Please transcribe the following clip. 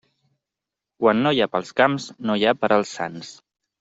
Quan no hi ha pels camps no hi ha per als sants.